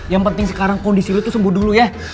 yang penting sekarang kondisi lo itu sembuh dulu ya